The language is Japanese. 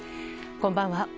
こんばんは。